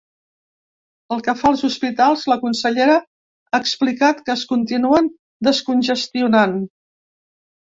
Pel que fa als hospitals, la consellera ha explicat que es continuen descongestionant.